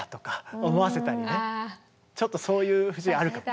ちょっとそういう節あるかも。